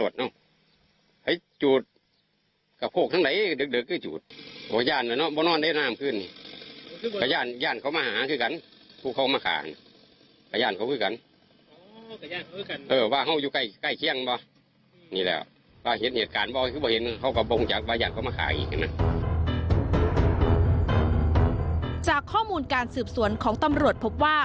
จากข้อมูลการสืบสวนของตำรวจพบว่า